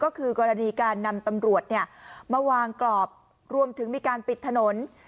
ก็คือกรณีการนำตำรวจมาวางกรอบรวมถึงมีการปิดถนน